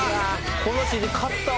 このＣＤ買ったわ」